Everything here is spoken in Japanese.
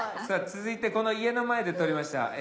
さあ続いてこの家の前で撮りました。